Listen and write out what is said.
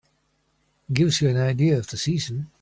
Gives you an idea of the season.